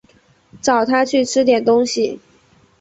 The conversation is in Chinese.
找她去吃点东西